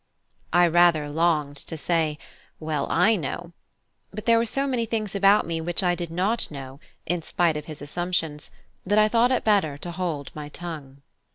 I rather longed to say, "Well, I know"; but there were so many things about me which I did not know, in spite of his assumptions, that I thought it better to hold my tongue.